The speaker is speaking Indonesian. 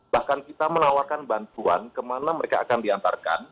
bahkan kita menawarkan bantuan kemana mereka akan diantarkan